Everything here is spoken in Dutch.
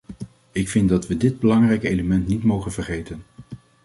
Ik vind dat we dit belangrijke element niet mogen vergeten.